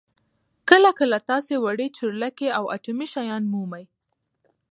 کله کله تاسو وړې چورلکې او اټومي شیان مومئ